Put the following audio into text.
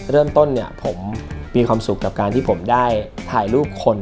เริ่มต้นเนี่ยผมมีความสุขกับการที่ผมได้ถ่ายรูปคน